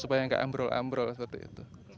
supaya nggak ambrol ambrol seperti itu